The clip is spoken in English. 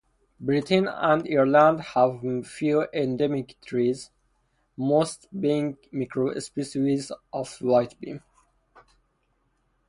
Britain and Ireland have few endemic trees, most being micro-species of Whitebeam.